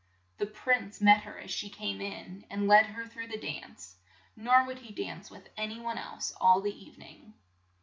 The prince met her as she came in, and led her through the dance, nor would he dance with an y one else all the eve ning.